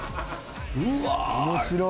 うわ！